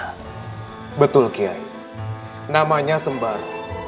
tapi diskonnya kalau kelas